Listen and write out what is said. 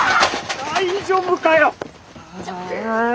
大丈夫かよ！？